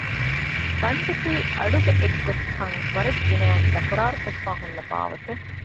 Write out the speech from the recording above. ބަނޖަކީ އަޑުގެ އެއްގޮތްކަން ވަރަށް ގިނައިން ތަކުރާރުކޮށްފައި ހުންނަ ބާވަތެއް